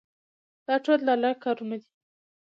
دا ټول د الله کارونه دي.